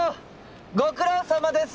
ご苦労さまです。